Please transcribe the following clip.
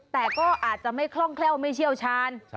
แต่ก็อาจจะไม่คล่องแคล่วไม่เชี่ยวชาญ